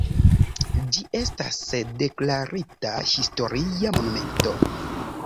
Ĝi estas deklarita historia monumento.